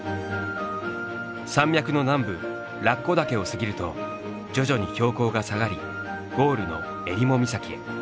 山脈の南部楽古岳を過ぎると徐々に標高が下がりゴールの襟裳岬へ。